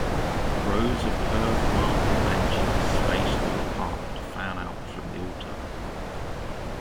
Rows of curved marble benches, spaced well apart, fan out from the altar.